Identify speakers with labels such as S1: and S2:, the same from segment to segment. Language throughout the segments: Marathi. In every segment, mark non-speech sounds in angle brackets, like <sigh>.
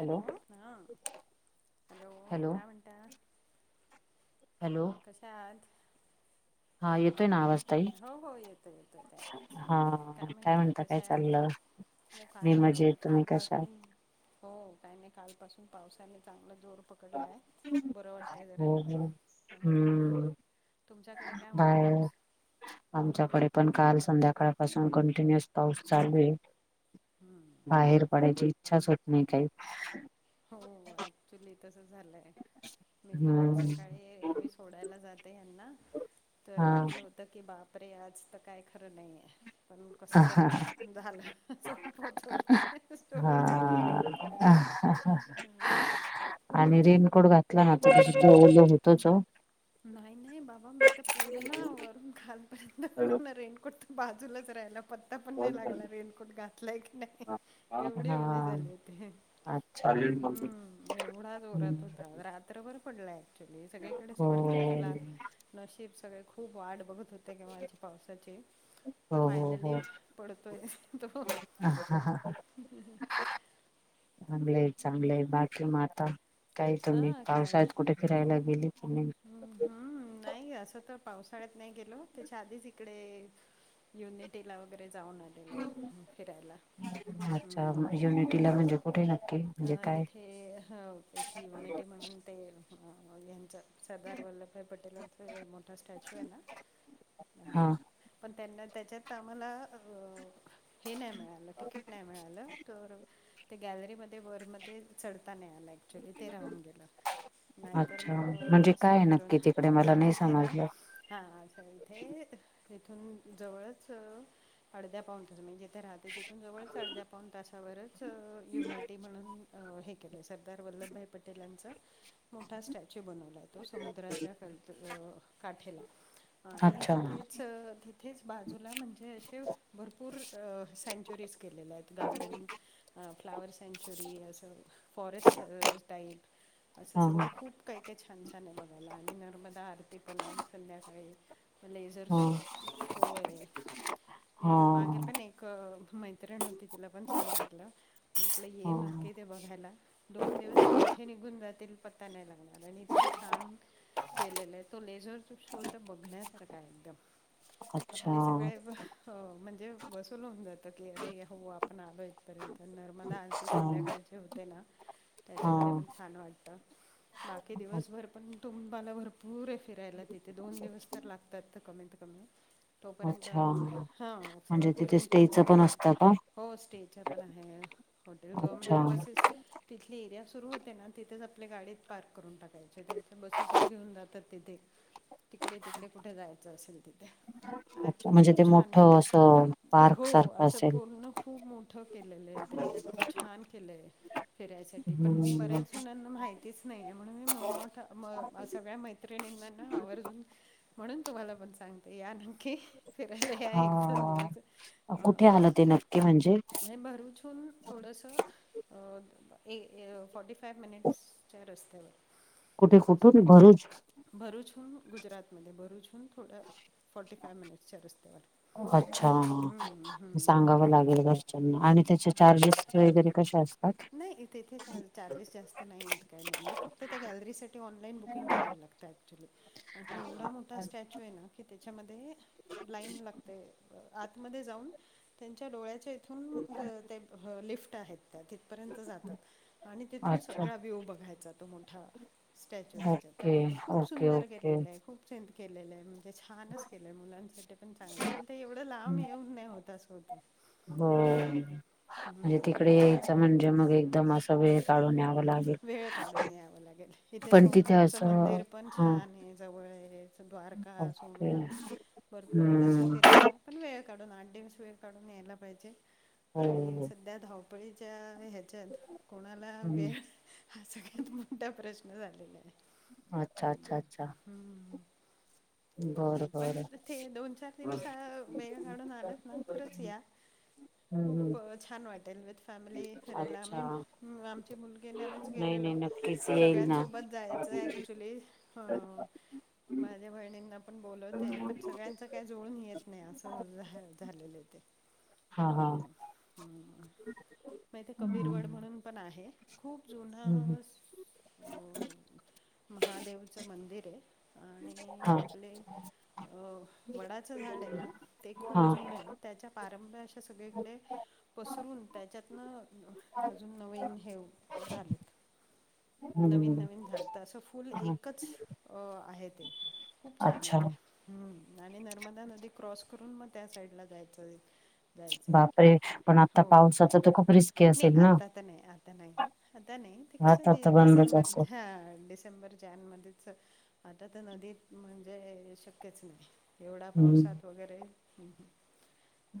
S1: हॅलो हां हॅलो काय म्हणता?
S2: हॅलो.
S1: कशा आहात?
S2: हा येतोय ना आवाज. ताई
S1: हो हो येतोय येतोय आवाज
S2: हा
S1: येतोय काय म्हणतात
S2: म्हणता काय
S1: कशा आहात?
S2: चाललं
S1: ओ
S2: मी
S1: काय नाही
S2: मजेत
S1: बाबा
S2: तुम्ही कशा
S1: कालपासून. हो काय नाही काल पासून पावसाने चांगला जोर पक -कडलाय बरं वाटतय जरा
S2: हो हो
S1: हो.
S2: हम्म
S1: तुमच्याकडे काय म्हणतो
S2: बाहेर
S1: पाऊस?
S2: आमच्याकडे पण काल संध्याकाळपासून कंटिन्युअस पाऊस चालू आहे. बाहेर पडायची इच्छाच होत नाही काही.
S1: हो ऍक्च्युली तस झालंय मी पण आज
S2: हम्म
S1: सकाळी एरवी. सोडायला जाते यांना तर वाटलं होत. की बापरे आज तर काय खरं नाहीये. पण कस तरी
S2: हा
S1: झालं पोहोचवलं सोडून आली स्टॉपपर्यंत.
S2: ह हां हां.
S1: <inaudible>
S2: आणि रेनकोट घातलाना <unintelligible> तरी ओलं होतंच ओ.
S1: नाही नाही बाबा. मी तर पूर्ण वरून खालपर्यंत पूर्ण रेनकोट तर बाजूलाच राहायला पत् ता पण नाही लागला रेनकोट घातलाय की नाही एवढी
S2: हा
S1: ओली झाले होते.
S2: अच्छा.
S1: हम्म एवढा जोरात होता रात्रभर पडला ऍक्च्युली सगळी कडेच
S2: हो
S1: तरी चला नशीब सगळे खूप वाट बघत होतय कि माझे पावसाचे
S2: हो
S1: फायनली पडतोय तो.
S2: ह हा हा हां हा.
S1: <inaudible>
S2: चांगलं आहे चांगलं आहे. बाकी मग आता काही तुम्ही
S1: हा
S2: पावसाळ्यात कुठे फिरायला गेले की नाही?
S1: हुं हुं नाही असं तर पावसाळ्यात नाही गेलो त्याच्या आधीच इकडे युनिटीला वगैरे जाऊन आलेलो फिरायला हम्
S2: तिला म्हणजे कुठे नक्की?
S1: अ
S2: म्हणजे काय
S1: इथे ह ते एक युनिटी म्हणून ते उम्ह यांच सरदार वल्लभभाई पटेलांचा मोठा स्टॅच्यू आहे ना
S2: हा
S1: ह पण त्यांना त्याच्यात आम्हाला अहं. हे नाही मिळालं तिकीट नाही मिळालं. तर ते गॅलरीमध् ते वर मध्येच चढता नाही आलं ऍक्च्युली ते राहून गेलं. नाही तर
S2: अच्छा
S1: मग अ
S2: म्हणजे
S1: मस्त
S2: काय आहे
S1: फिरून
S2: नक्की तिकडे मला
S1: ह
S2: नाही
S1: तिथे ना
S2: समजलं
S1: हा हा अच्छा इथेच इथून जवळच अ-अर्ध्या पाऊण तास म्हणजे तर राहते तिथून जवळच अर्ध्या पाऊण तासावरच अ युनिट म्हणून मी अ हे केलंय सरदार वल्लभभाई पटेलांचा मोठा स्टॅच्यू बनवलाय. तो समुद्राच्या कंतक काठेला आणि
S2: अच्छा
S1: तिथेच अ तिथेच बाजूला म्हणजे हे अशे व भरपूर अ सँचुरीज केलेल्या आहेत गार्डन फ्लावर सँच चुरी असं फॉरेस्ट अ स्टाईल असं
S2: हा हा
S1: सगळं खूप काही काही छा छान छान आहे बघायला आणि नर्मदा आरती पण आहे संध्याकाळी. लेझर
S2: हा
S1: शो आहे आणि मागे
S2: हा
S1: पण एक क मैत्रिण होती तिला पण सांगितलं म्हंटलं ये
S2: हा.
S1: नक्की ते बघायला. दोन दिवस तर कुठे निघून जातील पत्ता नाही लागणार आणि इतकं छान केलेलं आहे. तो लेझर तू शो तर बघण्यासारखा आहे एकदम
S2: अच्छा
S1: आपले सगळे व हो म्हणजे वसूल होऊन जातात की अरे हो आपण आलो इथपर्यंत नर्मदा आ
S2: अच्छा
S1: संध्याकाळचे होते ना त्याच्यामध्ये
S2: हा
S1: पण छान वाटतं बाकी दिवसभर पण तुंबा्ला भरपूर आहे फिरायला तिथे दोन दिवस तर लागतात तर कमीत कमी तोपर्यंत
S2: अच्छा
S1: हां
S2: म्हणजे
S1: सगळं
S2: तिथे
S1: फिरून पण
S2: स्टेचं
S1: होत नाही
S2: असतं का
S1: हो स्टेचर पण आहे. हॉटेल
S2: अच्छा
S1: गव्हर्नमेंटच्या बसेस तिथली एरिया सुरू होते ना तिथेच आपल्या गाडीत पार्क करून टाकायचे त्यांच्या बसेसच घेऊन जातात तिथे तिकडे तिकडे कुठे जायचं असेल तिथे.
S2: अच्छा
S1: ऍक्च्युली
S2: म्हणजे ते
S1: खूप छान आहे.
S2: मोठं असं पार्क
S1: हो
S2: सारखं
S1: असं
S2: असेल
S1: पूर्ण खूप मोठं केलेलं आहे त्यांनी. खूप छान केलंय. फिरायसाठी पण
S2: हम्म
S1: बऱ्याच हुणांना माहितीच नाही आहे म्हणून मी मोठा म सगळ्या मैत् मैत्रिनींना ना आवर्जून म्हणून तुम्हाला पण सांगते याना. के फिरायला या एक दोन
S2: हा
S1: दिवस. अ
S2: कुठे आलं ते नक्की म्हणजे
S1: हे भरूच <unintelligible> थोडस अ एक फॉर्टीफाय मिनिट्सच्या रस्त्यावर
S2: कुठे कुठून भरूच?
S1: भरुचहून गुजरातमध्ये भरूचहून थोड फोर्टीफाय मिनिट्सच्या रस्त्यावर आहे हम्म हम्म.
S2: ह लागेल <unintelligible> आणि त्याचे चार्जेस वगैरे कसे असतात.
S1: नाही तेथे चार् चार्जेस जास्त नाही आहेत काही नाही आहे फक्त त्या गॅलरीसाठी ऑनलाईन बुकिंग करायला लागत. ऍक्च्युली आणि तो एवढा मोठा स्टॅच्यू आहे ना की त्याच्यामध्ये लाईन लागते आतमध्ये जाऊन त्यांच्या डोळ्याच्या इथून ते लेफ्ट आहेत त्या तिथ पर्यंत जातात आणि तिथून
S2: अच्छा
S1: सगळा व्ह्यू बघायचा तो मोठा. स्टॅच्यू त्याच्यात
S2: ओके
S1: खूप
S2: ओके
S1: सुंदर
S2: ओके
S1: केलेल आहे खूप छान केलेल आहे. ते छानच केलय मुलांसाठी पण चांगल आहे पण ते एवढ लांब येऊन नाही होत अस होतय
S2: हो म्हणजे तिकडे यायच म्हणजे मग एकदम असा वेळ काढून या
S1: वेळ काढून याव लागेल इथे
S2: पण तिथे
S1: सोमनाथच
S2: असं
S1: मंदिर पण
S2: हा
S1: छान आहे जवळ आहे. जस द्वारका
S2: ओके
S1: सोमनाथ भरपूर आहे तस
S2: हम्म
S1: फिरायला. पण वेळ काढून आठ दिवस वेळ काढून यायला पाहिजे आणि
S2: हो
S1: सध्या धाव धावपळीच्या ह्याच्यात कोणाला
S2: हम्म
S1: वेळ हा सगळ्यात मोठा प्रश्न झालेला आहे.
S2: अच्छा अच्छा अच्छा
S1: हम्म
S2: बरं
S1: हम् पण
S2: बरं
S1: ते दोन चार दिवस ह वेळ काढून आलात ना खरच या.
S2: हम्म
S1: खूप
S2: हम्म
S1: अ, छान वाटेल विथ फॅमिली फिरायला आम्ही आमची मुलगी आणि आम्हीच
S2: नाही नाही
S1: गेलेलो.
S2: नक्कीच येईल ना
S1: सगळ्यांसोबत जायचंय ऍक्चुली माझ्या बहिणी पण बोलवते पण सगळ्यांच काही जुळून येत नाही असं झा झालेलय ते.
S2: हा हा
S1: हम्मम हम्म मग इथे कबीरवड
S2: हम्म
S1: म्हणून पण आहे. खूप जुन
S2: हम्म
S1: अस महादेवच मंदिर आहे. आणि
S2: हा
S1: आपले अ वडाच झाड आहे ना ते खूप
S2: हा
S1: जु न त्याच्या पारंब्या अशा सगळीकडे पसरून त्याच्यातन अजून नवीन हे झालेत. नवीन
S2: हम्म
S1: नवीन झाड तर अस फुल
S2: हं.
S1: एकच आहे ते. खूप छानय
S2: अच्छा
S1: ते आणि नर्मदा नदी क्रॉस करून मग त्या साईडला जायचय. जायचं आहे
S2: बापरे पण आता
S1: हो
S2: पावसाच तर खूप रिस्की
S1: नाही
S2: असेल ना
S1: आता तर नाही आता नाही आता नाही ग. आता नाही ते कस
S2: आता आता बंदच
S1: डिसेंबर
S2: असेल
S1: हां डिसेंबर जात मध्येच आता तर नदीत म्हणजे शक्यच नाही एवढ्या
S2: हम्म
S1: पावसात वगैरे ह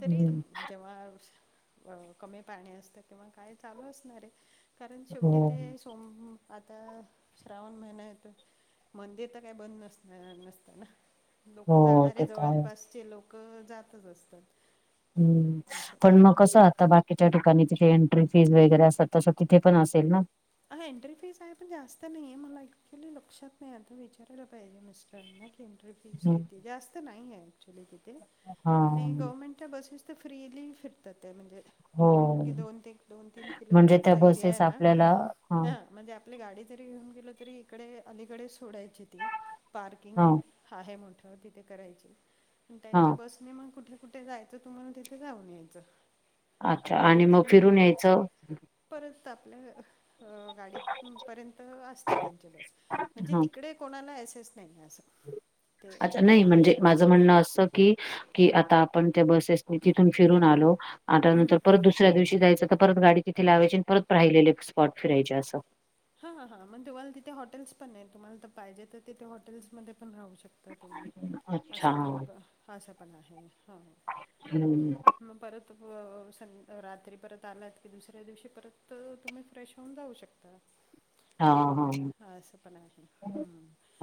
S1: तरी जेव्हा कमी पाणी असत किंवा काय चालू असणारय. कारण
S2: हो
S1: शेवटी ते सोम आता श्रावण महिना येतोय मंदिर तर काय बंद नसत. नसतना लोक
S2: हो
S1: जाणारे
S2: ते तर आहेच
S1: जवळपासचे लोक जातच असता
S2: हम्म पण मग कस आता बा तिच्या ठिकाणी तिथे एंट्री फीज वगैरे असतात तस तिथे पण असेल ना?
S1: हा एंट्री फीज आहे, पण जास्त नाहीे. मला ऍक्च्युली लक्षात नाही आता विचारायला पाहिजे मिस्टरना. एन्ट्री फीज किती आहे जास्त नाहीए अच्युली तिथे
S2: हा
S1: आणि गव्- त्या बसेस तर फ्रीली फिरतात त्या म्हणजे.
S2: हो
S1: दोन की दोन ते दोन तीन
S2: म्हणजे त्या
S1: किलोमीटरचा एरिया आहे
S2: बसेस
S1: ना.
S2: आपल्याला
S1: हा म्हणजे आपली गाडी जरी घेऊन गेल तरी इकडे अलीकडे सोडायची ती.
S2: हा
S1: पार्किंग आहे मोठं तिथे करायची प त्यांच्या
S2: हा
S1: बस- आणि मग कुठे कुठे जायचं तुम्हाला तिथे जाऊन यायचं.
S2: अच्छा
S1: म
S2: आणि मग
S1: रिटर्न
S2: फिरून यायचं
S1: परत आपल्या अ- गाडीतपर्यंत असते, त्यांची बस म्हणजे
S2: हा
S1: तिकडे कोणाला एस एच नाही ना असं. ते
S2: अच्छा!
S1: त्या
S2: नाही म्हणजे माझं
S1: एरियामध्ये
S2: म्हणणं असं, की की आता आपण त्या बसेस तिथून फिरून आलो आठ नंतर परत दुस- दुसऱ्या दिवशी जायंच तर परत गाडी तिथे लावायची. परत राहिलेले स्पॉट फिरायचे असं.
S1: हा हां मग तुम्हाला तिथे हॉटेल्स पण आहे, तुम्हाला तर पाहिजे तर तिथे हॉटेल्समध्ये पण राहू शकता. तुम्ही
S2: अच्छा
S1: असं पण करु असं पण आहे हो
S2: हम्म <unintelligible>
S1: मग परत सं रात्री परत आलात की दुसऱ्या दिवशी परत तुम्ही फ्रेश होऊन जाऊ शकतात.
S2: हा हा
S1: हा असं पण आहे,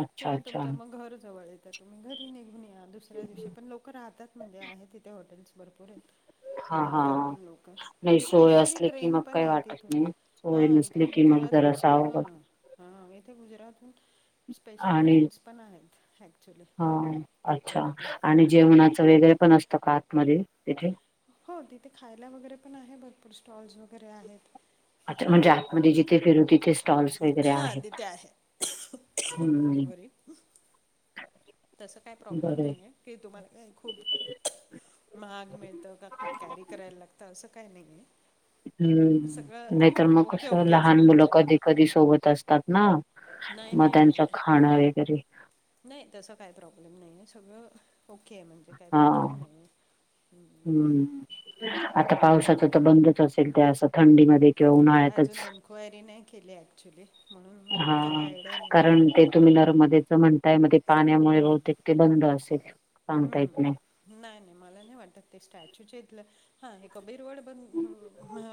S2: अच्छा
S1: किंवा
S2: अच्छा.
S1: तुमच मग घर जवळ येत तुम्ही घरी निघून- दुसऱ्या दिवशी पण लोक राहतात. म्हणजे आहेत तिथे हॉटेल्स भरपूर आहेत.
S2: हां
S1: जातात
S2: हां.
S1: पण लोक,
S2: नाही
S1: आणि
S2: सोय
S1: स्पेशली
S2: असली की
S1: ट्रेन
S2: मग
S1: पण
S2: काही
S1: आहे
S2: वाटत
S1: तिथून
S2: नाही. सोय
S1: हा
S2: नसली
S1: इथून
S2: की मग
S1: गुजरात
S2: जरासं
S1: हा
S2: अवघड
S1: हां इथे गुजरातहून स्पेशल ट्रेन्स पण आहेत ॲक्च्युली
S2: हा अच्छा
S1: तिथपर्यंत
S2: आणि
S1: हम्म.
S2: जेवणाच वेगैर पण असतं का आतमध्ये तिथे
S1: हो तिथे खायला वगैरे पण आहे भरपूर स्टॉल्स वगैरे आहेत.
S2: अच्छा
S1: तिथे
S2: म्हणजे आतमध्ये जिथे फिरू तिथे स्टॉल्स वगैरे
S1: हा
S2: आहेत.
S1: तिथे आहे.
S2: हम्म.
S1: बरे <inaudible> तसं काही प्रॉब्लेम
S2: बरं
S1: नाही आहे, की तुम्हाला काही खूप महाग मिळतं. खूप कॅरी करायला लागत असं काय नाही.
S2: हम्म नाहीतर
S1: सगळं
S2: मग
S1: ओके
S2: कस,
S1: ओकेच आहे
S2: लहान मुलं
S1: म्हणजे
S2: कधी कधी सोबत असतात ना.
S1: नाही
S2: मग
S1: नाही नाही
S2: त्यांचं
S1: नाही
S2: खाणं वगैरे
S1: नाही तसं काही प्रॉब्लेम नाही आहे. सगळं ओके आहे म्हणजे काही
S2: हा
S1: प्रॉब्लेम नाही.
S2: हम्म आता पावसाच तर बंदच असेल, त्या असं थंडीमध्ये. किंवा
S1: काय
S2: उन्हाळ्यातच
S1: अजून एन्क्वायरी नाही केली ऍक्च्युली, म्हणून
S2: हा
S1: काय आयडिया नाही.
S2: कारण ते तुम्ही नरमध्येच म्हणताय मध्ये पाण्यामुळे बहुतेक ते बंद असेल. सांगता येत नाही
S1: हम्म नाही नाही मला नाही वाटत ते स्टॅच्यूचेइथलं हा हे कबीरवड ब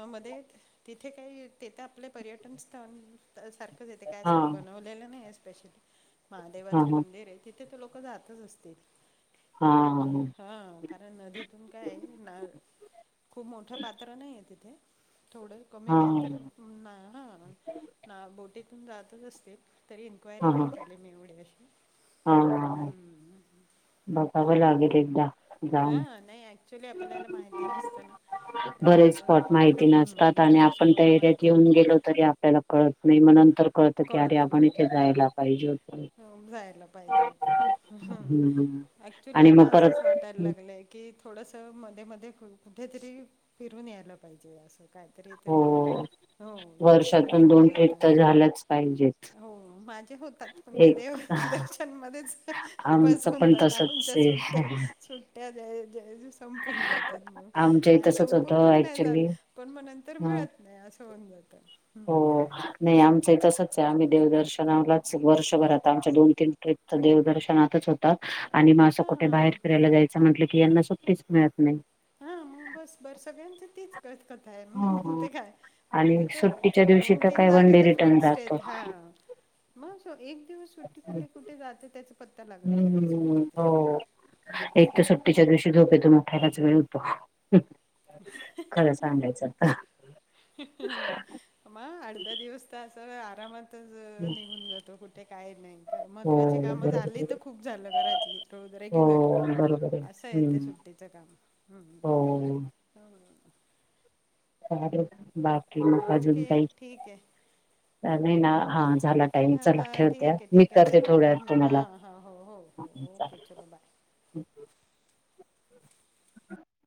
S1: मध्ये तिथे काही तेथे आपले पर्यटन स्थळ सारख तिथे काय अस
S2: हा
S1: बनवलेलं नाही स्पेशली
S2: हा
S1: महादेवाचं
S2: हा
S1: मंदिर आहे. तिथे तर लोक जातच असतील?
S2: हा- ह- ह
S1: हा कारण नदीतून काय. खूप मोठं पात्र नाही आहे तिथे थोडं कमी
S2: हा
S1: आहे तर ना ना बोटीतून जातच असतील. तरी इन्क्वायरी
S2: हा हा हा
S1: नाही केली मी एवढी अशी
S2: हा बघावं लागेल एकदा. जाऊन
S1: हा नाही ऍक्च्युली आपल्याला माहिती नसतं ना? तर
S2: बरेच स्पॉट माहिती
S1: हम्म,
S2: नसतात आणि
S1: बरेच
S2: आपण त्या
S1: स्पोर्ट
S2: एरियात
S1: माहिती
S2: येऊन
S1: नस
S2: गेलो तरी आपल्याला कळत नाही मग नंतर कळत की अरे आपण इथे जायला पाहिजे होत
S1: जायला पाहिजे होत
S2: हम्म
S1: ऍक्च्युली
S2: आणि
S1: आता
S2: मग
S1: असंच वाट वाटायला
S2: परत
S1: लागलंय की थोडस मध्ये मध्ये कुठेतरी फिरून यायला पाहिजे असं काहीतरी
S2: हो
S1: तरी हो ते चेंज
S2: वर्षातून
S1: होऊन
S2: दोन ट्रिप
S1: जात
S2: तर झाल्याच पाहिजेत
S1: हो माझे होतात पण ते देव
S2: एक
S1: दर्शनमध्येच
S2: आमचं
S1: बसवून
S2: पण
S1: जातात
S2: तसच
S1: आमच्या सुट्टे
S2: आहे
S1: सुट्ट त्या ज जज संपून जातात मग
S2: आमच्या
S1: आणि
S2: तसच
S1: संपून
S2: होतं
S1: पण नाही जात
S2: ऍक्च्युली
S1: पण म नंतर
S2: हं.
S1: मिळत नाही असं होऊन जात.
S2: हो नाही आमचं ही तसंच आहे आम्ही देवदर्शनालाच वर्षभरात आमच्या दोन तीन ट्रिप देवदर्शनातच होतात. आणि मग असं कुठे बाहेर
S1: हां
S2: फिरायला जायचं म्हटलं की यांना सुट्टीच मिळत नाही.
S1: हा मग बस बर सगळ्यांची तीच कतकथा आहे मी
S2: हो.
S1: म्हणते काय
S2: आणि
S1: माझं
S2: सुट्टीच्या
S1: तर
S2: दिवशी
S1: दोन
S2: तर
S1: तीन
S2: काय वन
S1: जागे
S2: डे
S1: तर
S2: रिटर्न
S1: फ्रिक्स्ड
S2: जातो.
S1: आहेत हा. मग एक दिवस सुट्टी कुठे कुठे जात त्याच.
S2: हम्म् हो. एक तर सुट्टीच्या दिवशी झोपेतून उठायलाच वेळ होतो.
S1: हा.
S2: खला सांगायचं आता.
S1: आठ दहा दिवस तर असं आरामात. निघून जातो कुठे काय नाही का
S2: हो
S1: महत्वाची काम झाली
S2: बरोबर
S1: तर खूप झालं घरातली. रेग्युलर
S2: हो बरोबर आहे.
S1: असं य ते
S2: हम्म
S1: सुट्टीचं काम ह.
S2: हो
S1: ह.
S2: बाकी म अजून
S1: ओके
S2: काही
S1: ठीक आहे
S2: चाले ना. हा झाला टाईम चला
S1: हां
S2: ठेवते्या
S1: ठीक आहे
S2: मी
S1: ठीक आहे
S2: करते
S1: चला
S2: थोड्या तुम्हाला.
S1: हां हां हो हो हो ओके चलो बाय